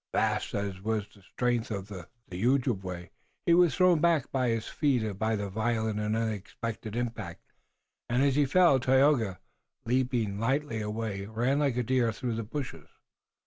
Vast as was the strength of the Ojibway he was thrown from his feet by the violent and unexpected impact, and as he fell Tayoga, leaping lightly away, ran like a deer through the bushes.